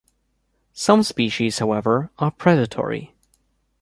Some species however, are predatory.